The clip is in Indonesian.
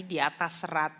di atas seratus